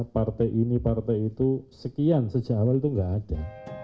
partai ini partai itu sekian sejak awal itu nggak ada